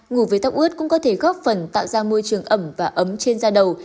ngủ với tóc ướt cũng có thể góp phần tạo ra môi trường ẩm và ấm trên da đầu